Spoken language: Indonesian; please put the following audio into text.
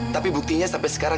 tapi buktinya sampai sekarang